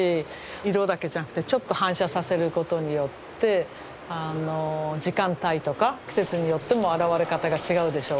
色だけじゃなくてちょっと反射させることによって時間帯とか季節によっても現れ方が違うでしょうし